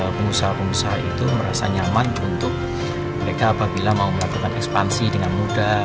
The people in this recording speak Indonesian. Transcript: pengusaha pengusaha itu merasa nyaman untuk mereka apabila mau melakukan ekspansi dengan mudah